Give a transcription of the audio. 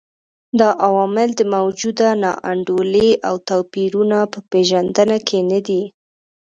دا عوامل د موجوده نا انډولۍ او توپیرونو په پېژندنه کې نه دي.